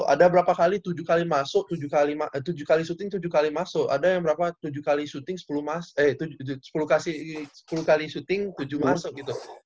ada tujuh kali syuting tujuh kali masuk ada sepuluh kali syuting tujuh kali masuk